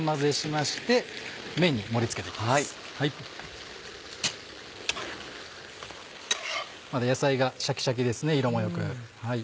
まだ野菜がシャキシャキですね色も良く。